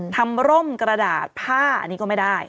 ทำร่มกระดาษผ้านี่ก็ไม่ได้